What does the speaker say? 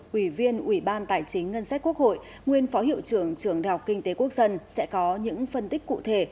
quỷ viên ủy ban tài chính ngân sách quốc hội nguyên phó hiệu trưởng trường đại học kinh tế quốc dân sẽ có những phân tích cụ thể